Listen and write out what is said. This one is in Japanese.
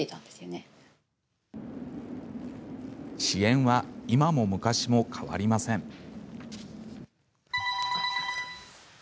支援は今も昔も変わりません。